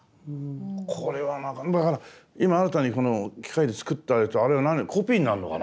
これはだから今新たにこの機械で作ったやつあれは何コピーになんのかな？